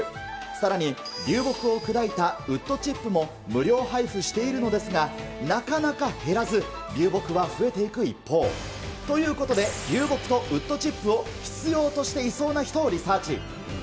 さらに立木を砕いたウッドチップも無料配布しているのですが、なかなか減らず、流木は増えていく一方。ということで、流木とウッドチップを必要としていそうな人をリサーチ。